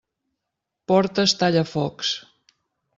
Portes tallafocs.